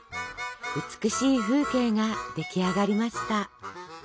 美しい風景が出来上がりました。